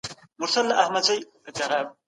ای مومنانو، هيڅ قوم بايد په بل قوم ټوکې ونه کړي.